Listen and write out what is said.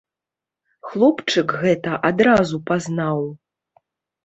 Хлопчык гэта адразу пазнаў.